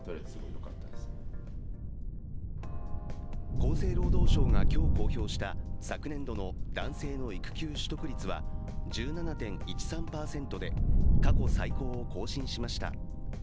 厚生労働省が今日公表した昨年度の男性の育休取得率は１７．１３％で、過去最高を更新しました。